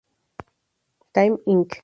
Time Inc.